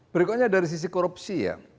berikutnya dari sisi korupsi ya